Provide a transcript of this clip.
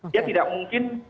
dia tidak mungkin